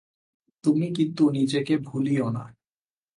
তুমি কিন্তু নিজেকে ভুলিয়ো না।